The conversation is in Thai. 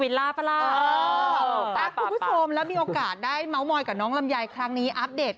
เราก็เหมือนเราคิดเป็นอย่างนั้นนะครับ